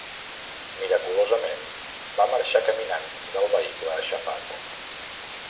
Miraculosament, va marxar caminant del vehicle aixafat.